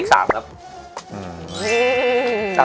โอเคได้